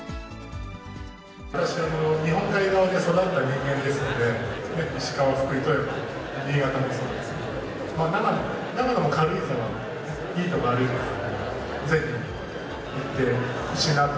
私は日本海側で育った人間ですので、石川、福井と新潟もそうですし、長野も、長野も軽井沢、いい所がありますので、ぜひ行ってほしいなと。